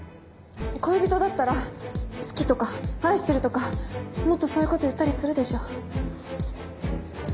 恋人だったら「好き」とか「愛してる」とかもっとそういう事言ったりするでしょ？